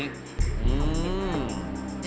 ก็อืม